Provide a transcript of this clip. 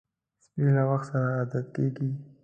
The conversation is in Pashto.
سپي له وخت سره عادت کېږي.